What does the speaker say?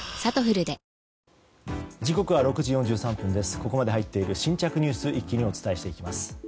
ここまで入っている新着ニュース一気にお伝えしていきます。